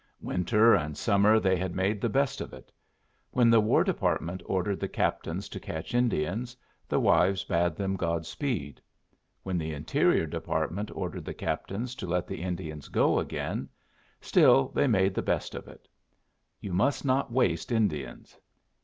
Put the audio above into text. Winter and summer they had made the best of it. When the War Department ordered the captains to catch Indians, the wives bade them Godspeed. When the Interior Department ordered the captains to let the Indians go again, still they made the best of it. You must not waste Indians.